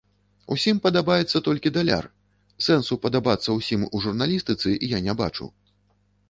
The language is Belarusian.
Усім падабаецца толькі даляр, сэнсу падабацца ўсім у журналістыцы я не бачу.